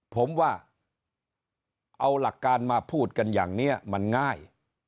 ผมว่าเอาหลักการมาพูดกันอย่างนี้มันง่าย